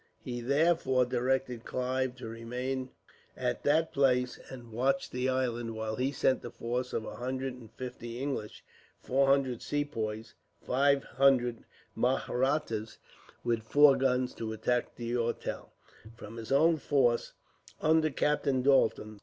He therefore directed Clive to remain at that place and watch the island, while he sent a force of a hundred and fifty English, four hundred Sepoys, five hundred Mahrattas, with four guns, to attack D'Auteuil; from his own force, under Captain Dalton.